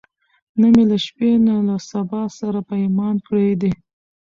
نه می له شپې نه له سبا سره پیمان کړی دی